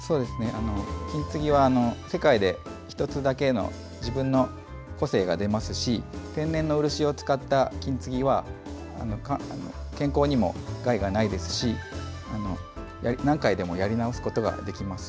金継ぎは世界で１つだけの自分の個性が出ますし天然の漆を使った金継ぎは健康にも害がないですし何回でもやり直すことができます。